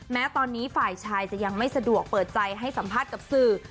แม้ตอนนี้ฝ่ายชายจะยังไม่สะดวกเปิดใจให้สัมภาษณ์กับสื่อ